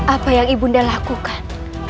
apa yang ibu nda lakukan